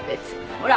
ほら。